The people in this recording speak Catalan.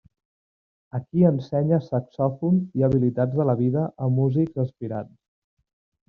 Aquí ensenya saxòfon i habilitats de la vida a músics aspirants.